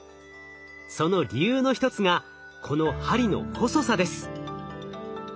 その理由の一つがこの針の細さです。